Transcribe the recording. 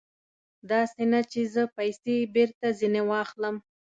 داسې نه چې زه پیسې بېرته ځنې واخلم.